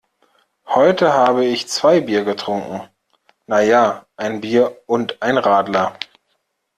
Heute habe ich zwei Bier getrunken. Na ja, ein Bier und ein Radler.